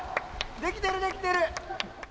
できてるできてる！